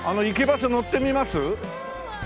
バス乗ってみます？